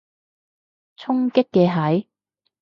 衝擊嘅係？